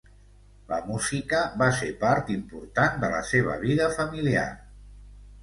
La música va ser part important de la seva vida familiar.